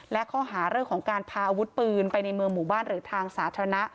และข้อหาเรื่องของการพาอาวุธปืนไปในเมืองหมู่บ้านหรือทางสาธารณะ